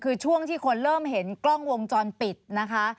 คือช่วงที่คนเริ่มเห็นกล้องวงจรปิดนะคะ